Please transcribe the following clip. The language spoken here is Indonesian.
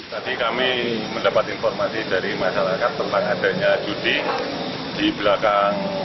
tadi kami mendapat informasi dari masyarakat tentang adanya judi di belakang